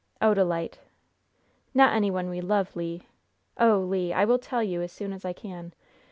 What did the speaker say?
"Odalite!" "Not any one we love, Le. Oh, Le! I will tell you as soon as I can.